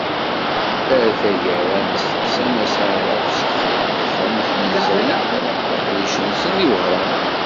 Ar taggara nesteqsa Mass Arab Sekhi ɣef wamek yezri leqdic-nsen di Wehran.